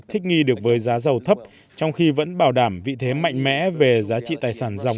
thích nghi được với giá dầu thấp trong khi vẫn bảo đảm vị thế mạnh mẽ về giá trị tài sản dọc